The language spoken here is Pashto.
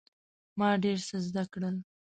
ما ډیر څه زده کړل.